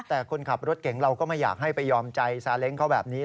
แต่คนขับรถเก่งเราก็ไม่อยากให้ไปยอมใจซาเล้งเขาแบบนี้